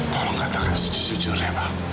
tolong katakan sejujurnya